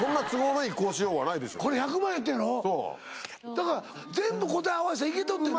だから全部答え合わせたらいけとってんな。